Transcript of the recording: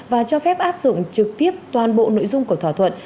và cho phép áp dụng trực tiếp toàn bộ nội dung của thỏa thuận